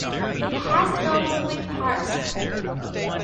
It has no moving parts.